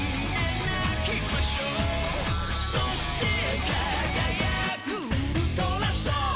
「そして輝くウルトラソウル」